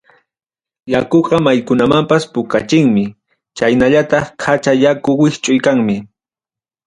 Yakuqa maykunamanpas puqachinmi, chaynallataq qacha yaku wischuy kanmi.